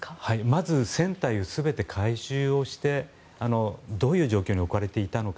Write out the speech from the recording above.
まず船体を全て回収してどういう状況に置かれていたのか。